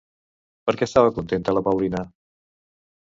Per què estava contenta la Paulina?